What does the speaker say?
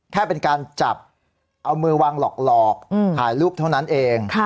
แค่เป็นการจับเอามือวางหลอกถ่ายรูปเท่านั้นเอง